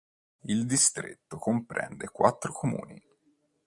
Il distretto comprende quattro comuni.